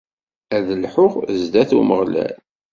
Ad lḥuɣ sdat Umeɣlal.